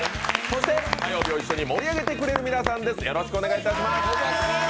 そして火曜日を一緒に盛り上げてくれる皆さんです。